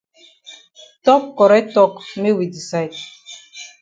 Tok correct tok make we decide.